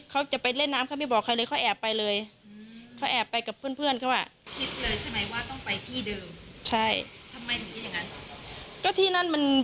เรายังไม่ได้กลับแต่พ่อเขากลับก่อน